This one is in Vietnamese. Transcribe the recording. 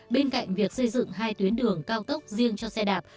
bên cạnh việc xây dựng hai tuyến đường cao tốc riêng cho xe đạp